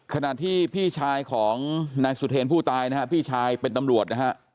ขณะที่พี่ชายของนายสุเทรนผู้ตายนะฮะพี่ชายเป็นตำรวจนะฮะ